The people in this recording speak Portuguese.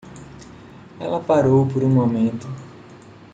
Ela parou por um momento.